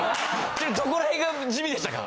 どこらへんが地味でしたか？